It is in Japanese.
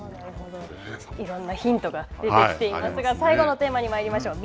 いろんなヒントが出てきていますが、最後のテーマにまいりましょう。